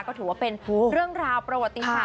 ก็ถือว่าเป็นเรื่องราวประวัติศาส